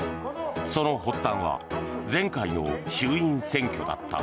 その発端は前回の衆院選挙だった。